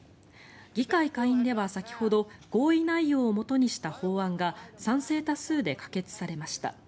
議会下院では先ほど合意内容をもとにした法案が賛成多数で可決されました。